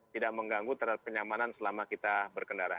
tidak mengganggu terhadap kenyamanan selama kita berkendara